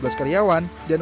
dan untuk memudahkan prosesnya